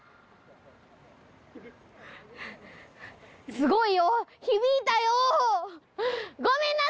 すごいよ響いたよ。